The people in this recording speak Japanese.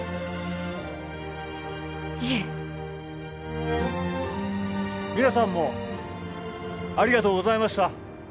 いえ皆さんもありがとうございました